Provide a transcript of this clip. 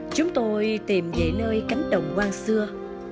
chúng tôi tìm về nơi cánh đồng quang xưa